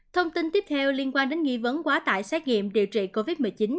thông tin tiếp theo liên quan đến nghi vấn quá tải xét nghiệm điều trị covid một mươi chín